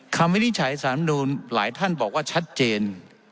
วินิจฉัยสารธรรมนูลหลายท่านบอกว่าชัดเจน